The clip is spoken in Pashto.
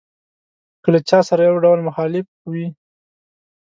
کله له چا سره یو ډول مخالف وي.